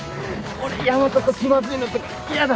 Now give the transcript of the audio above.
俺ヤマトと気まずいのとか嫌だ！